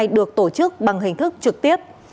được tổ chức bằng hình thức trực tiếp